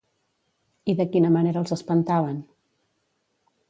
I de quina manera els espantaven?